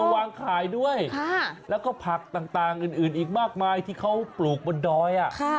วางขายด้วยแล้วก็ผักต่างอื่นอีกมากมายที่เขาปลูกบนดอย